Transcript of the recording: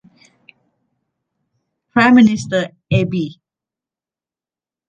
Prime Minister Abe.